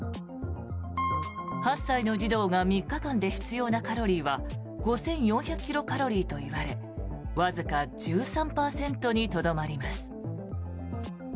８歳の児童が３日間で必要なカロリーは５４００キロカロリーといわれわずか１３％にとどまります。